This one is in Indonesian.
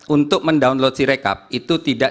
untuk mendownload si rekap itu tidak